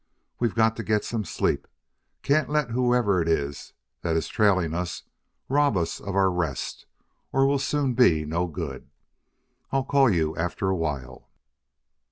We've got to get some sleep; can't let whoever it is that is trailing us rob us of our rest or we'll soon be no good. I'll call you after a while."